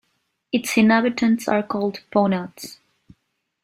Its inhabitants are called "Ponots".